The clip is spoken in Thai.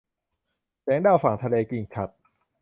แสงดาวฝั่งทะเล - กิ่งฉัตร